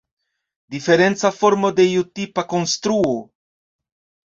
Diferenca formo de iu tipa konstruo.